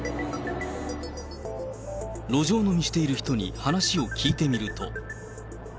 路上飲みしている人に話を聞いてみると。